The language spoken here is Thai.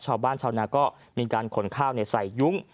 ชาวบ้านชาวนาก็มีการขนข้าวใส่ยุ้ง